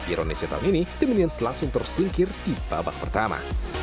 ironisnya tahun ini dominion selangsung tersingkir di babak pertama